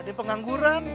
ada yang pengangguran